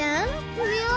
たべよう！